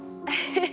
ハハハ！